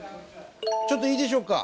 ちょっといいでしょうか？